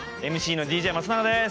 ＭＣのＤＪ松永です。